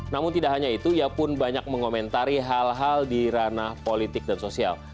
namun tidak hanya itu ia pun banyak mengomentari hal hal di ranah politik dan sosial